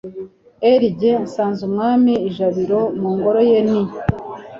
r/ jye nsanze umwami i jabiro, mu ngoro ye ni